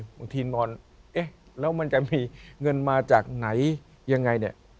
บางทีนอนเอ๊ะแล้วมันจะมีเงินมาจากไหนยังไงเนี่ย